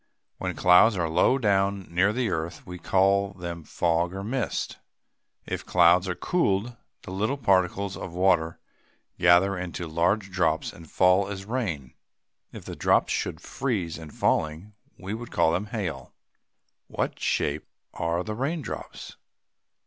When clouds are low down, near the earth, we call them fogs or mist. If clouds are cooled, the little particles of water gather into large drops and fall as rain. If the drops should freeze in falling, we would call them hail. What shape are the raindrops?